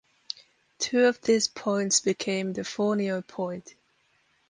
Two of these points became the Fournier-point.